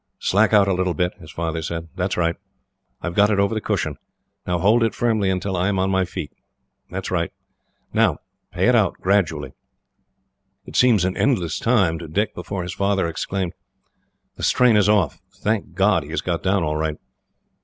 "Slack out a little bit," his father said. "That is right. I have got it over the cushion. Now hold it firmly until I am on my feet. That is right. Now pay it out gradually." It seemed an endless time, to Dick, before his father exclaimed: "The strain is off! Thank God, he has got down all right!"